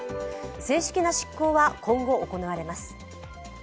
正式な執行は今後行われます。